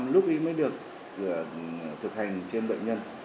lúc ấy mới được thực hành trên bệnh nhân